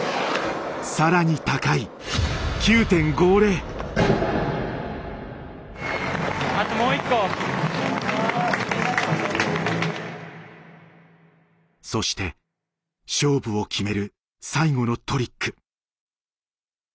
更に高いそして勝負を決める最後のトリック。